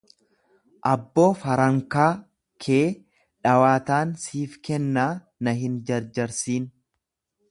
Abboo farankaa kee dhawaatan siif kennaa na hin jarjarsin.